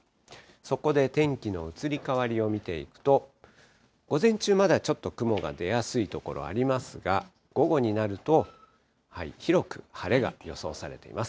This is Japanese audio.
そこで天気の移り変わりを見ていくと、午前中、まだちょっと雲が出やすい所ありますが、午後になると、広く晴れが予想されています。